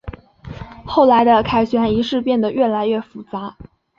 后来的凯旋仪式变得越来越复杂。